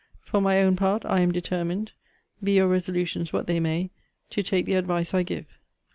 For my own part, I am determined, be your resolutions what they may, to take the advice I give.